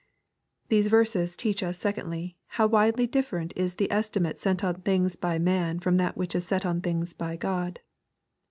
These verses teach us, secondly, how widely different is the estimate set on things by man from that which is set on things by God.